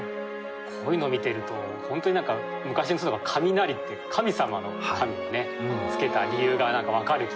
こういうのを見てると本当に何か昔の人が「神鳴り」って神様の「神」を付けた理由が何か分かる気がしますね。